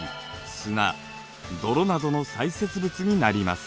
・砂・泥などの砕屑物になります。